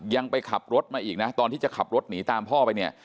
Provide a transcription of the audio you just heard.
ยังไปขับรถมาอีกนะตอนที่จะขับรถหนีตามพ่อไปเนี่ย